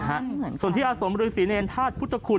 สวัสดีค่ะสวมฤทธิ์ศรีเนยนธาตุพุทธคุณ